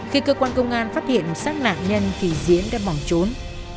khi cơ quan công an phát hiện sát nạn nhân thì diễn đã bỏng trốn